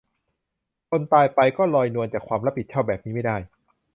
คนตายไป ก็ลอยนวลจากความรับผิดชอบ แบบนี้ไม่ได้